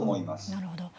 なるほど。